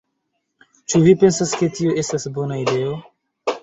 Ĉu vi pensas ke tio estas bona ideo?"